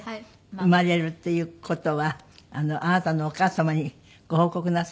生まれるっていう事はあなたのお母様にご報告なさいました？